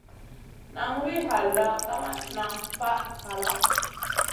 Naŋ wi halda, kamat nan faʼ halla.